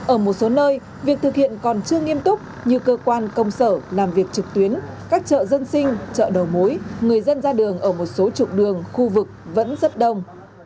ở một số nơi việc thực hiện còn chưa nghiêm túc như cơ quan công sở làm việc trực tuyến các chợ dân sinh chợ đầu mối người dân ra đường ở một số trục đường khu vực vẫn rất đông